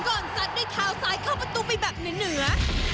ก่อนสัดได้ขาวซ้ายเข้าประตูไปแบบเหนือ